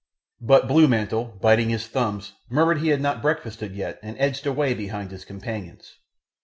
But blue mantle, biting his thumbs, murmured he had not breakfasted yet and edged away behind his companions.